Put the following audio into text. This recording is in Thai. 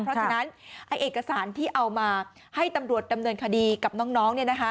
เพราะฉะนั้นเอกสารที่เอามาให้ตำรวจดำเนินคดีกับน้อง